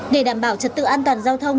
để đảm bảo trật tự an toàn giao thông